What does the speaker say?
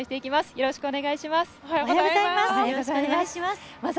よろしくお願いします。